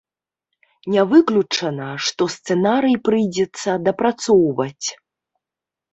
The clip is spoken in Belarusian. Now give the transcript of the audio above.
Не выключана, што сцэнарый прыйдзецца дапрацоўваць.